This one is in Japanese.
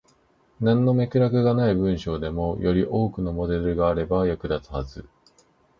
なんの脈絡がない文章でも、より多くのモデルがあれば役立つはず。